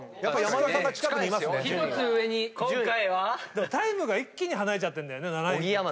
でもタイムが一気に離れちゃってんだよね。